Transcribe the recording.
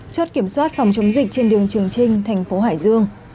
chốt kiểm soát phòng chống dịch trên đường trường trinh thành phố hải dương